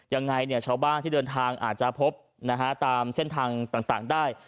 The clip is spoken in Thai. ยังไงชาวบ้านที่เดินทางอาจจะพบตามเส้นทางต่างได้